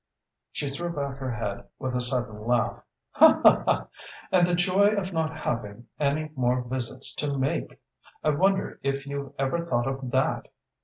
"She threw back her head with a sudden laugh. 'And the joy of not having any more visits to make! I wonder if you've ever thought of _that?